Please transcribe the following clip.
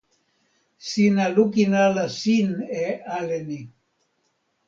sina lukin ala sin e ale ni.